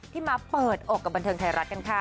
มาเปิดอกกับบันเทิงไทยรัฐกันค่ะ